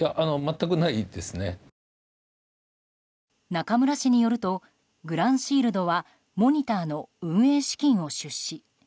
中村氏によるとグランシールドはモニターの運営資金を出資。